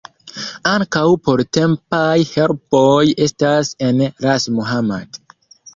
Ankaŭ portempaj herboj estas en Ras Muhammad.